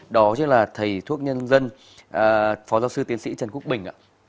đó chính là thầy thuốc nhân dân phó giáo sư tiến sĩ trần quốc bình ạ